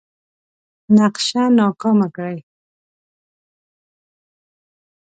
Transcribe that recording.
نقشه ناکامه کړي.